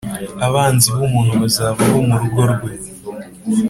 abanzi bumuntu bazaba abo mu rugo rwe